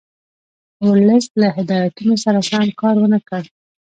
ورلسټ له هدایتونو سره سم کار ونه کړ.